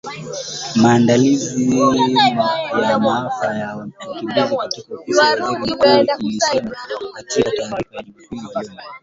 Maandalizi ya maafa na wakimbizi katika Ofisi ya Waziri Mkuu ilisema katika taarifa yake Jumapili jioni .